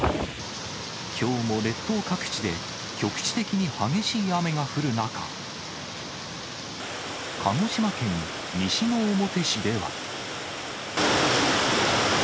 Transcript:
きょうも列島各地で局地的に激しい雨が降る中、鹿児島県西之表市では。